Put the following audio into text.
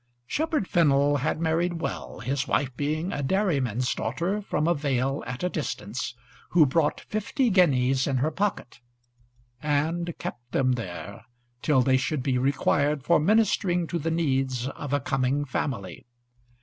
Shepherd Fennel had married well, his wife being a dairyman's daughter from the valley below, who brought fifty guineas in her pocket and kept them there till they should be required for ministering to the needs of a coming family.